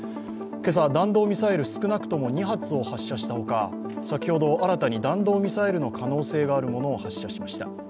今朝、弾道ミサイル少なくとも２発を発射したほか先ほど新たに弾道ミサイルの可能性のあるものを発射しました。